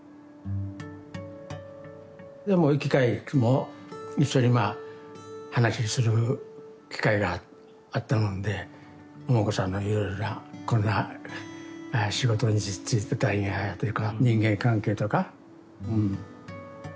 でもう行き帰り一緒にまあ話する機会があったもんでももこさんのいろいろなこんな仕事に就いてたんやとか人間関係とかうん。